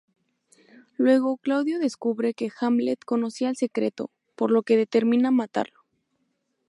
Luego, Claudio descubre que Hamlet conocía el secreto, por lo que determina matarlo.